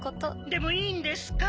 でもいいんですか？